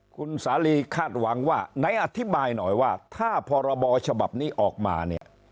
คุณสาลีคาดหวังว่าไหนอธิบายหน่อยว่าถ้าพรบฉบับนี้ออกมาเนี่ย